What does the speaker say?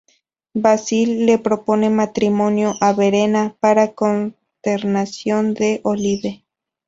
Basil le propone matrimonio a Verena, para consternación de Olive.